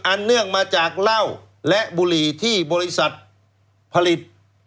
เนื่องมาจากเหล้าและบุหรี่ที่บริษัทผลิต